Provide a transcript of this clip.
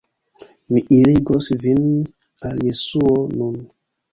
Mi irigos vin al Jesuo nun.